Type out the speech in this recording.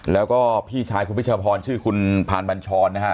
แล้วก็พี่ชายคุณพิชพรชื่อคุณพานบัญชรนะฮะ